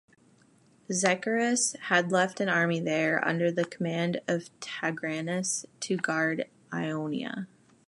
Xerxes had left an army there, under the command of Tigranes, to guard Ionia.